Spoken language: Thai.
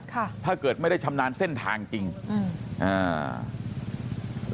ถ้าเกิดไม่ได้ชำนาญเส้นทางจริงอืมอ่า